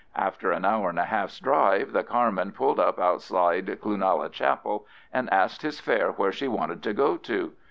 After an hour and a half's drive the carman pulled up outside Cloonalla Chapel, and asked his fare where she wanted to go to.